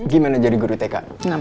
gimana jadi guru tk